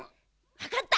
わかった！